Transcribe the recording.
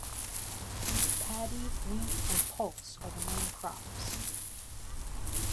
Paddy, wheat and pulse are the main crops.